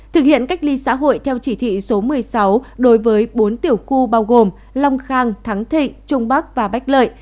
thực hiện cách ly xã hội theo chỉ thị số một mươi sáu đối với bốn tiểu khu bao gồm long khang thắng thịnh trung bắc và bách lợi